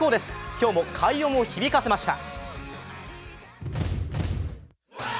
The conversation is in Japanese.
今日も快音を響かせました。